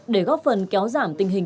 để góp phần kéo giảm tình hình